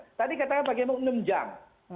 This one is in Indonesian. tadi katanya pagi emang enam jam